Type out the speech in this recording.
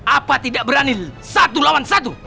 apa tidak berani satu lawan satu